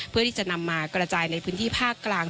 เพื่อที่จะนำมากระจายในพื้นที่ภาคกลาง